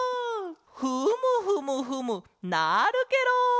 フムフムフムなるケロ！